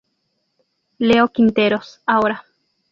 Leo Quinteros, ahora!